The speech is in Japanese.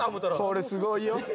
これすごいよ。